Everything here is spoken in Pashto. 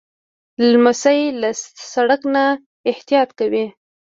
لمسی له سړک نه احتیاط کوي.